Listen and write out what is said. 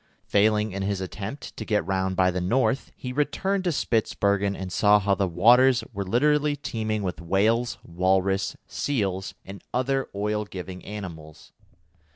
Failing in his attempt to get round by the north, he returned to Spitzbergen and saw how the waters were literally teeming with whales, walrus, seals, and other oil giving animals.